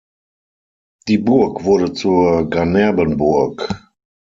Die Burg wurde zur Ganerbenburg.